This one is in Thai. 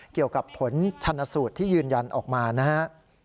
เกี่ยวกับผลชนสูตรที่ยืนยันออกมานะครับ